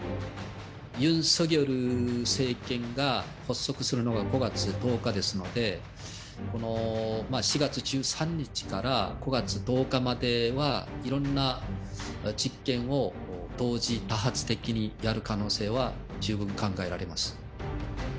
ユン・ソギョル政権が発足するのが５月１０日ですので、この４月１３日から５月１０日までは、いろんな実験を同時多発的にやる可能性は十分考えられます。